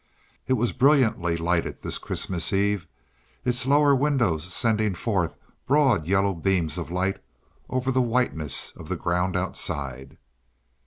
It was brilliantly lighted this Christmas Eve, its lower windows sending forth broad yellow beams of light over the whiteness of the ground outside.